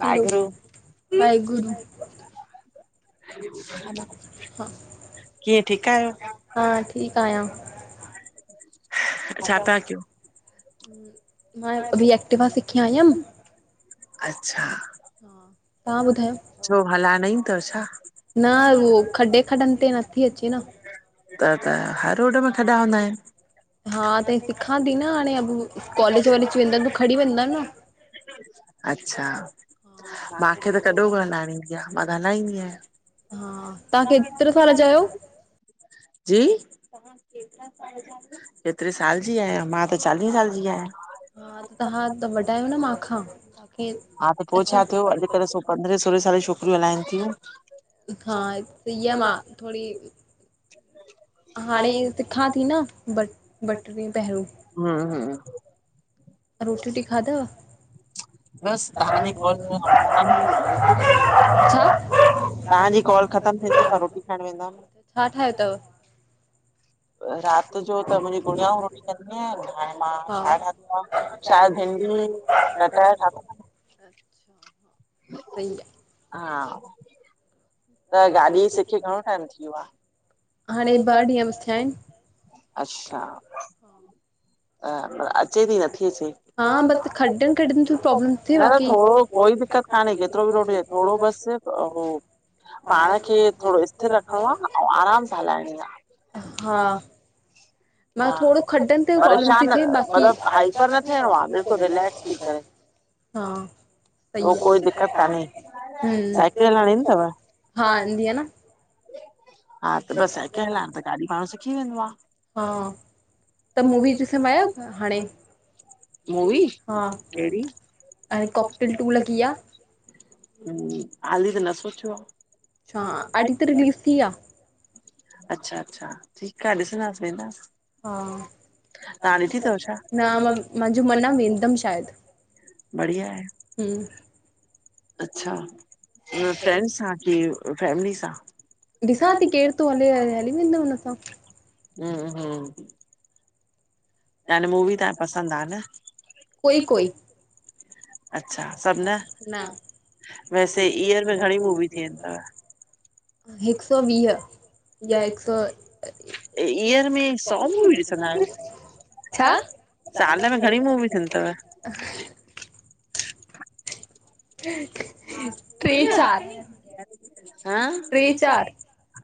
वाहेगुरु [unintelligible] [unintelligible] किय ठीक आयो हा ठीकु आहियां। छा ता क्यो? मां अभी एक्टिवा सिखी आयम। अच्छा। छो हलाएड़ न ईंदव छा? [unintelligible] त त हर रोड में खॾा हूंदा आहिन। हा त सिखां थी न हाणे कॉलेज वॉलेज वेंदा आहिन त खड़ी वेंदा आहिन न। अच्छा माखे त कॾो को हलाइण ईंदी आ, मां त हाल्हाईंदी आहियां। तव्हां केतरे साल जा आहयो? जी केतरे साल जी आहयां। मां त चालीहे साल जी आहयां। हा तां त वॾा आयो न मांखा। हा त पो छा थयो। अॾकल पंद्रहें सोरहें साले जी छोकरियूं हलाइन थियूं। हा [unintelligible] मां थोड़ी [inaudible] हाणे [inaudible] हूं-हूं रोटी वोटी खादव? बस तव्हांजी [unintelligible] तव्हांजी कॉल खत्म थींदी त मां रोटी खाइण वेंदम। छा ठाहयो तव? रात जो त मुंहिंजी गुड़ियाऊ रोटी कंदियूं आहिन। हा दाल भिंडी [unintelligible] सिंग [unintelligible] हा त गाॾी सिखी घणों टाइम थीयो आ? [unintelligible] अशा अचे थी नथी? [inaudible] न थोरो कोई दिक्क़त कान्हे केतरो बि [unintelligible] थोड़ो बस [unintelligible] पांण खे थोरो स्थिर रखणो आह ऐं आराम सां हलाइणी आह। हा परेशान मतलब हाइपर न थियणो आह। बिल्कुल रिलेक्स थी करे। ओ कोई दिक्कत कान्हे। साइकिल हलाएड इंधी तव? [unintelligible] हा त बस साइकल हलाइण त गाॾी माण्डू सिखी वेंदो आह। हा त मूवी [unintelligible] आयो हाणे हा ऐं कॉकटिल टू लॻी आह। हाली त न सोचयो आह। हां [inaudible] अच्छा अच्छा ठीक आ ॾिसंदासे न। हा न मांजो मन आ वेंदम शायद। बढिया आहे। अच्छा फ्रेंड सां की फैमिली सां? ॾिसां थी केर थो हले। हली वेंदम हुनं सां। हूं- हूं त मूवी त पसंद आह न। अच्छा सब न। वैसे ईयर में घणीं मूवी थी वेंदी थव? हिक सौ वीय या हिक सौ ईयर में सौ मुवी ॾिसंदा आहयो? साल में घणी मूवी थींदी थव? [inaudible] हां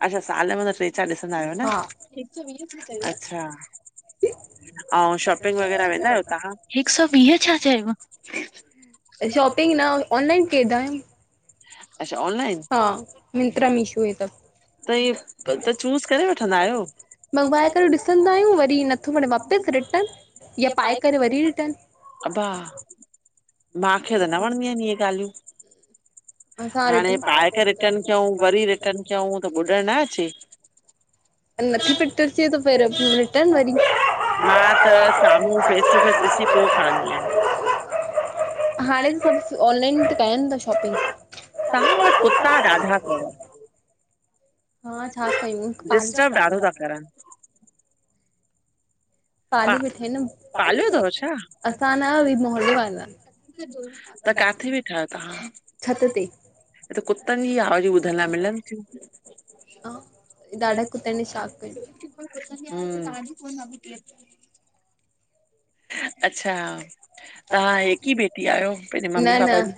अच्छा साल में त टे चार ॾिसंदा आहयो न अच्छा। अऊं शॉपिंग वग़ैरह वेंदा आहयो तव्हां? शॉपिंग न ऑनलाइन केदा आहयु। अचछा ऑनलाइन हा [inaudible] त [unintelligible] चूस करे वठंदा आहियो। मंगवाए करे ॾिसंदा आहयूं। वरी नथो वणें वापिस रिटन या पाए करे वरी रिटन। अब्बा! मांखे त न वणंदी आहिन इहे ॻाल्हियूं। हाणे पाए खे रिटन कयूं वरी रिटन कयूं त बॿुॾणु न अचे? [inaudible] मां त [unintelligible] [unintelligible] हाणे त सब ऑनलाइन त कयानि था शॉपिंग। तव्हां वटि कुता ॾाढा तव? [unintelligible] डिस्टब ॾाढो था करनि। [unintelligible] पा पालियो थो छा? [unintelligible] [unintelligible] त काथे वेठा आहियो तव्हां? हे, त कुतनि जी आवाजूं ॿुधण लाइ मिलनि थियूं। [unintelligible] [inaudible] [unintelligible] अच्छा तव्हां हिकु ई बेटी आहियो पंहिंजे मम्मी पापा जी?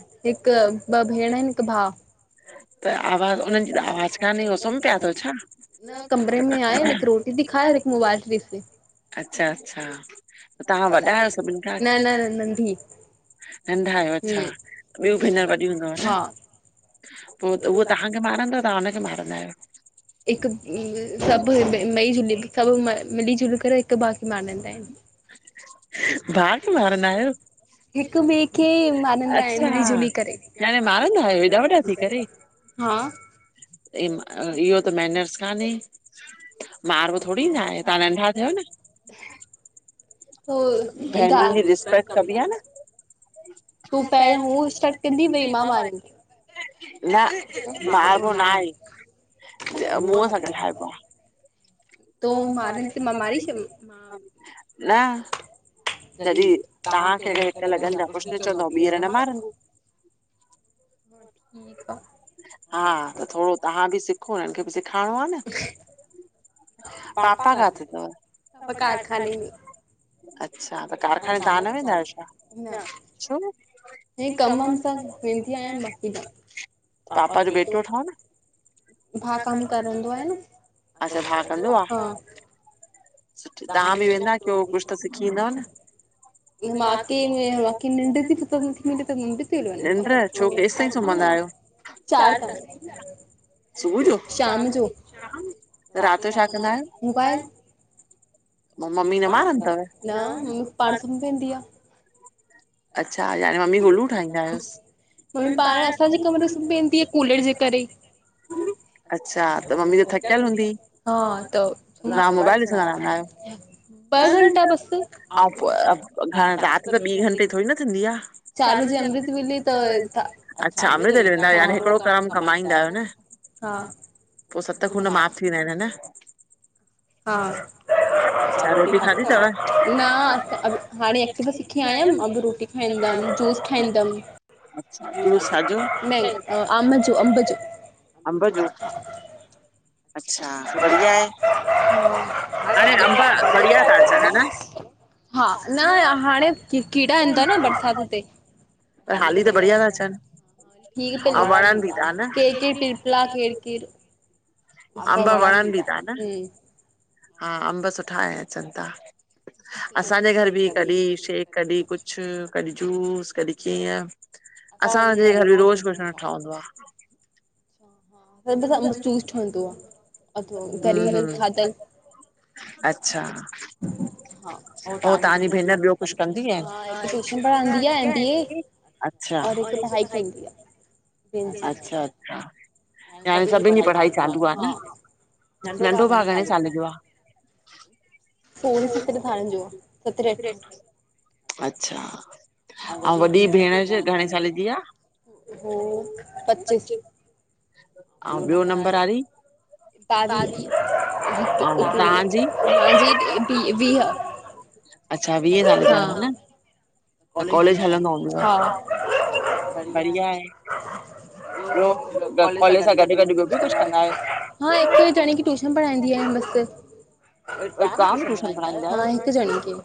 [unintelligible] न कमरे में आए। हिकु रोटी ति खाय। हिकु मोबाइल [unintelligible] अच्छा-अच्छा तव्हां वॾा आहियो सभिनी खां? न-न नंढा आहियो अच्छा। ॿियूं भेनर वॾियूं हूंदव न? पो त उहो तव्हांखे मारंदो तव्हां हुनखे मारंदा आहियो? हिकु [unintelligible] सभु मई झुली सभु म मिली झुली करे हिकु [unintelligible] मञंदा आहिनि। भा खे मारंदा आहियो? [inaudible] अच्छा [unintelligible] आहियो हेॾा वॾा थी करे। हा [unintelligible] इ इहो त मेनर्स कान्हे। मार [unintelligible] पोइ गा [unintelligible] रिस्पेक्ट कभी आ न, [unintelligible] पहिरियो हू स्टाट कंदी वेरी मा मारंदी न मारबो नाई। मुंह सा ॻाल्हायण [unintelligible] [unintelligible] जॾहिं तव्हांखे अगरि हिकु लॻंदा कुझु न चवंदो ॿीहर न [unintelligible] ह ठीकु आहे। [unintelligible] [inaudible] पापा काथे आहिन? पापा कारखाने में तव्हां न वेंदा आहियो? न छो हे कम वम सां त वेंदी [unintelligible] पापा जो बेटो ठवु? भा कम करन ता न। अच्छा कंदो आहे हां, तव्हां बि वेंदा कयो कुझ त सिखी ईंदव न [unintelligible] निंड छो केस ताईं सुमहंदा आहियो? चार ताई। सुभु जो? शाम शाम जो रात त छा कंदा आहियो? मोबाइल [inaudible] पो मम्मी न मारंदी अथव? न [unintelligible] अच्छा यानी मम्मी खे उल्लू ठाहींदा आहियोस? मम्मी पाण असांजे कमरे सुमी पवंदी आहे कूलर जे करे। [unintelligible] अच्छा त मम्मी त थकियल हूंदी? हा, त तव्हां मोबाइल ॾिसंदा रहंदा आहियो? ॿ घंटा [unintelligible] [unintelligible] रात त ॿी घंटे थोरी न थींदी आहे? चार बजे [unintelligible] अच्छा अमरित वे वेंदा आयो यानि हिकिड़ो करम कमाईंदा आयो न। हा पो सत खून माफ़ थी वेना आहिनि ह न। [inaudible] हा, तव्हां रोटी खादी तव? न त हाणे ऐक्टवा सिखी आयमि। अम्बु रोटी खाईंदम, जूस ठाइदम [inaudible] नहीं आम जो अंब जो अंब जो अच्छा। बढ़िया आहे, हाणे अंब बढ़िया था अचनि ह न? हा न हाणे क कीड़ा ईंदा न बरसातुन ते। पर हाली त बढिया ता अचनि। औं वणनि बि ता न अंब वणनि बि ता ह न हम् हा अंब सुठा हाणे अचनि था। असांजे घर बी कॾीं शेक कॾीं कुझु कॾीं जूस कॾीं कीअं। असांजे घर बि रोज़ कुछ न कु ठहंदो आ। अच्छा [inaudible] अंब जूस ठहंदो आ ऐं कॾी मेल थाधल। अच्छा हो तव्हांजी भेनर ॿियो कुझु कंदी आहिन? ‌ हा [inaudible] अच्छा। और हिक पढाई तो करे [inaudible] अच्छा अच्छा याने सभिनी जी पढ़ाई चालू आ न नंढो भा घणे साले जो आ? [unintelligible] सोरें सतरें सालें जो सतरें अठरें अच्छा! ऐं वॾी भेण जा घणे साल जी आ? ओ हो, अचे औं ॿियो नंबरु वारी? ॿावीह हिक इकवीह मुंजी वीह अच्छा वीह साल जा आयो ह न कोलेज हलंदो हूंदो? हा बढिया आहे। ॿियो, कोलेज सां गॾु गॾु ॿियो बि कुझ कंदा आहियों? हा, हिक‌ जणे खे टूशन पढ़ाईंदी आहियां। अस्ते [inaudible] तव्हां भी टयूशन पढ़ाहिंदा आहियों?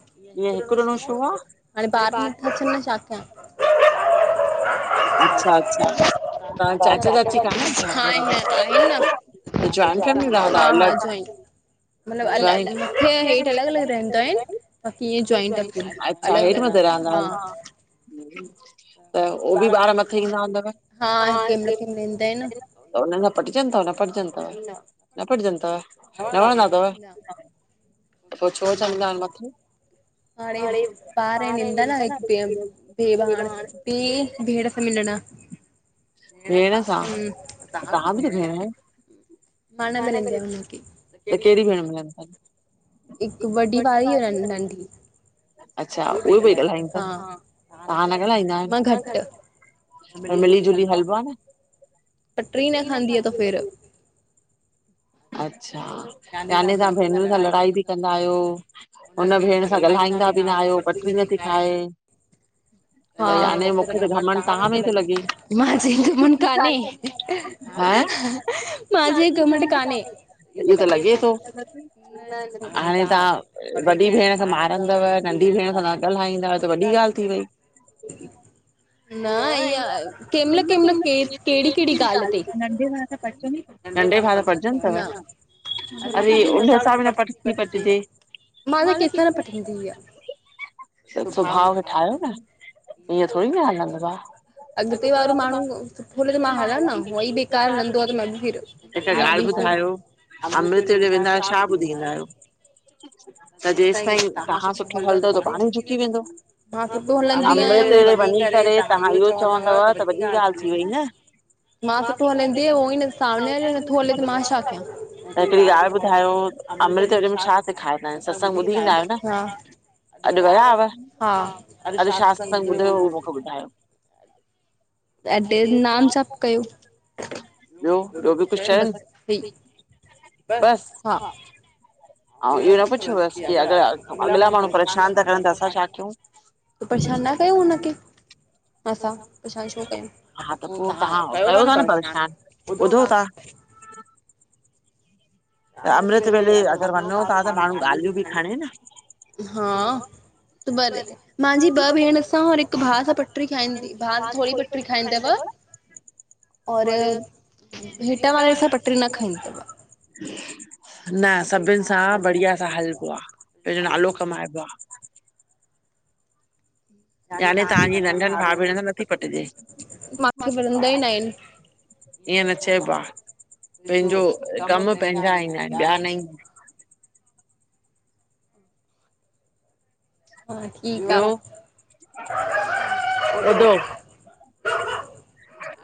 ॿार नथा अचनि न, छा क्यां? ह अच्छा अच्छा तां या चाचा चाची काननि छा? त जॉइन फैमिली में रहंदा आयो? जोइन न, हेठि मथे [unintelligible] रहंदा आहियूं। अछा हेठि मथे रहंदा आहियो। [unintelligible] हा न त ऊं बि ॿार मथे ईंदा हूंदव? हा [inaudible] त उन्हनि खां पटिजनि थव न पटिजनी थव, न। न पटिजनि थव न वणंदाथव? पोइ छो चवंदा आहिनि मथे हाणे ॿार वेंदा न [unintelligible] [unintelligible] बे [unintelligible] न [inaudible] भेणस आ? हम् तहां बि त भेण कयो। मान में रहंदी आ हुननि जी, त कैड़ी भेण भला हिकु वॾी वारी ऐं न नंढी अच्छा, उहे बि ॻाल्हाईंदी तन, हा, तव्हां न ॻाल्हाईंदा आहियोन, न न मिली जुली हलबो आ न पटरी न खांदी आ त फिर अच्छा, याने तव्हां भेनरुनि सां लड़ाई बि कंदा आहियो, हुन भेण सां ॻाल्हाईंदा बि न आहि ॿियो पटरी नथी खाए हा त मुखे त घमंड तवा मे तो लॻे। मांजे में घमंड कान्हे मांज़े घमंड काने। [inaudible] त लॻे तो, हाणे तव्हां वॾी भेण खे मारंदव नंढी भेण तव्हां ॻाल्हाईंदा आहियो, त वॾी ॻाल्हि थी वई न ईंअ, किन किन कहिड़ी कहिड़ी ॻाल्हि हुजे, नंढे वारा पचनी ता नंढे वारा पचन ता अरे उन सां, बिन बि पटी पटजे, मां न केतिरा [unintelligible] सभ सुभावउ खे ठाहियो न, ईंअ थोरीई न हलदों आ। अॻिते वारो माण्हू सुठो हले त मां हलां न, उहो ई बेकार हलंदो आहे त मां बि फिर, मां बि ॿुधायो, अमृते वेंदा आहियो, छा ॿुधी ईंदा आहियो? त जेस ताईं तव्हां सुठो हलंदव त पाणई झुकी वेंदो। अमृत वञी करे, तव्हां इहो चवंदव त वॾी ॻाल्हि थी वई न मां त पो हलंदी उहो ईन सामनेे वारो नथो हले त मां छा कयां? त हिकिड़ी ॻाल्हि ॿुधायो, अमृत वेले में छा सेखारींदा? सत्संग ॿुधी ईंदा आहियो न? अॼु वया हुआ? अॼु छा सत्संग ॿुधुव उहो मूंखे ॿुधायो? [unintelligible] नाम सप कयो। ॿियो, ॿियो बि कुझु चयन? बस हा ऐं इहो न पुछोवसि, कि अ अॻला माण्हू परेशान था करनि त असां छा कयूं? त परेशान न कयूं हुन खे असां पर छो कयूं, हा, त पोइ तव्हां कयो था न परेशान ॿुधो था। [inaudible] अमृत वेले अगर वञो था, त माण्हू ॻाल्हियूं बि खणे। हा त भले, मांजी ॿ भेण अ सां और हिकु भाउ सां पटरी खाईंदी भाउ थोरी पटरी खाईंदव [inaudible] और हेटां वारे सां पटरी न खाईंदी तव न सभिननि सां बढ़िया सां हलबो आ, पंहिंजो नालो कमाइबो आ। याने तव्हांजी नंढनि भाउ भेण नथी पटिजे। [unintelligible] इअं न चेइबो आ। पंहिंजो कम पंहिंजा ईंदा आहिनि, ॿिया न ईंदा आहिन। ॿियो ॿुधो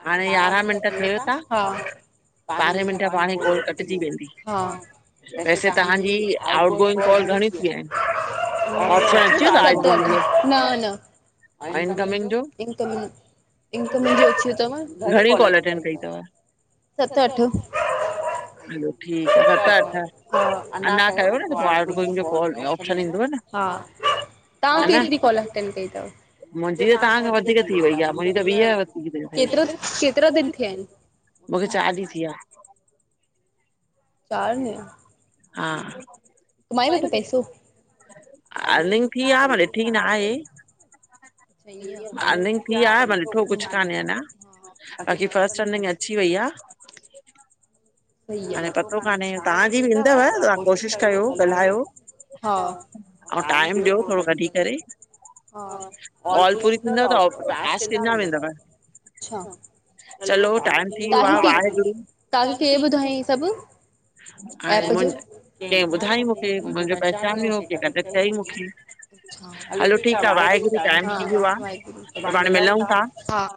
हाणे यारहां मिनट थेव था ॿारहें मिनट पाण ई कॉल कटजी वेंदी। वैसे तव्हांजी आउटग गोइंग कॉल घणीयूं थियूं आहिनि? सत, अठ न न इकमि जो, इंकमि इंकमनि जो अची वियो तव घणीयूं कॉल अटेंड कई तव? हलो ठीकु आ, सत, अठ अञां कयो न पो आउट गोइंग जो ऑप्शन ईंदव हा तव्हां केतिरी कॉल अटेंड कई त? व केतिरो केतिरा दिन थिया आहिनि? चार ॾिंहं हा कमाए वठ पैसो अर्निंग थी आ, मां ॾिठी न आहे अर्निंग थी आ, मां ॾिठो कुझु कान्हे अञां। अगे फस्ट रनिंग अची वई आह। हाणे पतो कान्हे। तव्हांजी बि ईंदव। तव्हां कोशिश कयो ॻाल्हायो अंऊ टाइम ॾियो थोडो कडी करे काल पूरी थींदव त [unintelligible] टास्क ईंदा वेंदव चलो टाइम थी वियो आ, वाहेगुरू। ऐं सभ [inaudible] कें ॿुधाईं मूंखे। मुंहिंजो पहचान वियो की कॾहिं चईं मूंखे हलो ठीक आह वाहेगुरू। टाइम थी वयो आह। सुभांणे मिलंऊ ता।